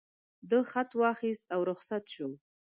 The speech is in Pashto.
ده خط واخیست او رخصت شو.